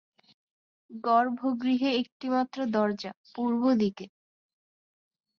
গর্ভগৃহে একটি মাত্র দরজা, পূর্ব দিকে।